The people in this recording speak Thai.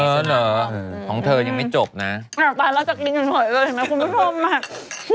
เหรอเหรอของเธอยังไม่จบน่ะอ้าวตายแล้วจะกินกันหน่อยเลยคุณผู้ชมมาก